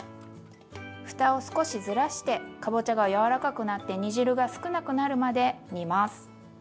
ふたを少しずらしてかぼちゃが柔らかくなって煮汁が少なくなるまで煮ます。